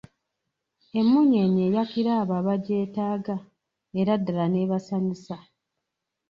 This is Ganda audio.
Emmunyeenye eyakira abo abagyetaaga era ddala ne basanyusa.